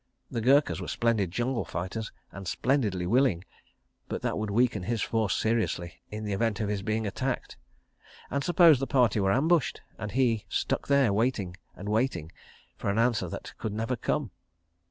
The Gurkhas were splendid jungle fighters and splendidly willing. ... But that would weaken his force seriously, in the event of his being attacked. ... And suppose the party were ambushed, and he stuck there waiting and waiting, for an answer that could never come.